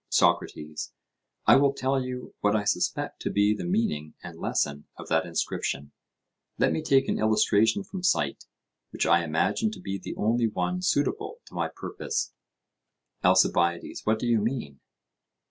SOCRATES: I will tell you what I suspect to be the meaning and lesson of that inscription. Let me take an illustration from sight, which I imagine to be the only one suitable to my purpose. ALCIBIADES: What do you mean?